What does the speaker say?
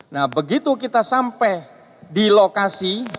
nah begitu kita sampai di lokasi